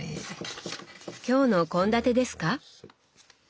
今日の献立ですか？